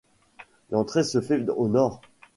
L'entrée se fait au nord.